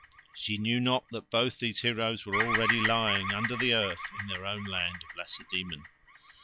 She knew not that both these heroes were already lying under the earth in their own land of Lacedaemon.